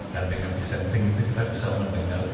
dan dengan dissenting itu kita bisa mendengar